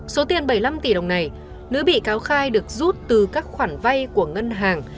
số tiền bảy mươi năm tỷ đồng này nữ bị cáo khai được rút từ các khoản vay của ngân hàng